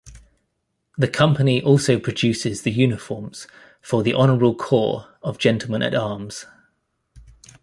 The company also produces the uniforms for the Honourable Corps of Gentlemen at Arms.